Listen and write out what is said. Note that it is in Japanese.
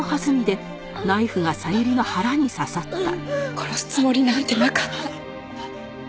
殺すつもりなんてなかった。